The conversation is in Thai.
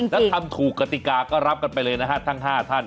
แล้วทำถูกกติกาก็รับกันไปเลยนะฮะทั้ง๕ท่าน